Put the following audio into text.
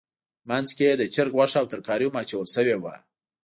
منځ کې یې د چرګ غوښه او ترکاري هم اچول شوې وه.